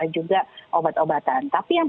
juga obat obatan tapi yang